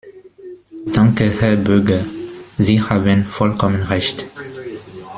Danke, Herr Böge, Sie haben vollkommen Recht.